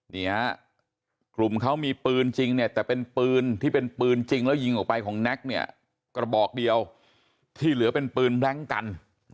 นี่ฮะกลุ่มเขามีปืนจริงเนี่ยแต่เป็นปืนที่เป็นปืนจริงแล้วยิงออกไปของแน็กเนี่ยกระบอกเดียวที่เหลือเป็นปืนแบล็งกัน